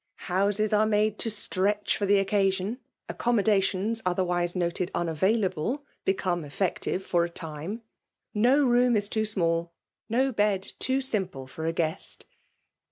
Houdes are .mjuie to stretch for the occasion; accommo idaiaons ollierwise noted unavailaUe become /^eAtetive for a time; no room is too smf^/tio : bed too simple for a guest.